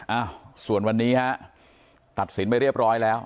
อ้าวส่วนวันนี้ฮะตัดสินไปเรียบร้อยแล้ว